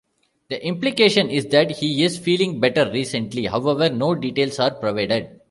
The implication is that he is feeling better recently; however, no details are provided.